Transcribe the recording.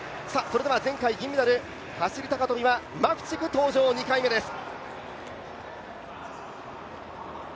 前回銀メダル、走高跳はマフチク登場、２回目です。